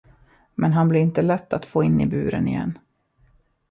Men han blir inte lätt att få in i buren igen.